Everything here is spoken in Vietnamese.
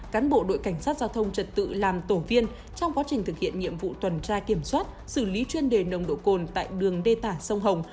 cán bộ đội cảnh sát giao thông trật tự làm tổ viên trong quá trình thực hiện nhiệm vụ tuần tra kiểm soát xử lý chuyên đề nồng độ cồn tại đường đê tả sông hồng